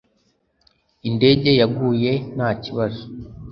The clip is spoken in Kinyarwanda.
Indege yaguye nta kibazo